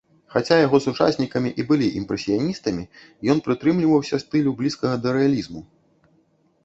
Хаця яго сучаснікамі і былі імпрэсіяністамі, ён прытрымліваўся стылю, блізкага да рэалізму.